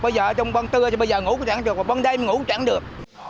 bây giờ trong băng tư bây giờ ngủ chẳng được băng đây ngủ chẳng được